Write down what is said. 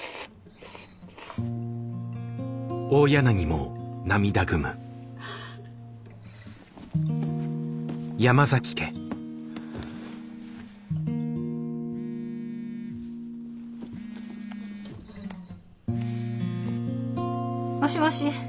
もしもし。